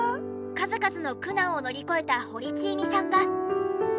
数々の苦難を乗り越えた堀ちえみさんが。